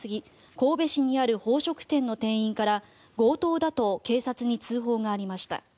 神戸市にある宝飾店の店員から強盗だと警察に通報がありました。